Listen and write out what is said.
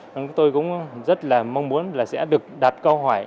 chúng tôi cũng rất là mong muốn là sẽ được đặt câu hỏi